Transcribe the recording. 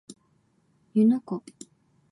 湯ノ湖